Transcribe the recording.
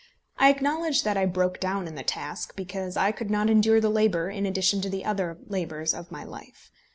I acknowledge that I broke down in the task, because I could not endure the labour in addition to the other labours of my life.